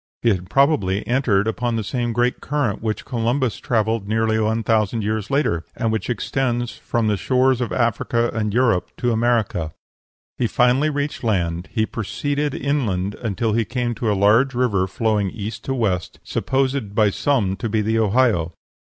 He had probably entered upon the same great current which Columbus travelled nearly one thousand years later, and which extends from the shores of Africa and Europe to America. He finally reached land; he proceeded inland until he came to a large river flowing from east to west, supposed by some to be the Ohio.